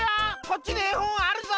こっちにえほんあるぞ。